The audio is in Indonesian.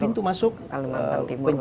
pintu masuk untuk kalimantan timur khususnya